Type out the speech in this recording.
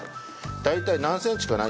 大体何センチかな